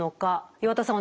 岩田さん